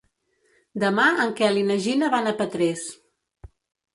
Demà en Quel i na Gina van a Petrés.